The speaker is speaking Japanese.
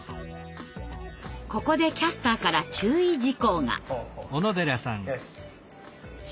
ここでキャスターから注意事項が。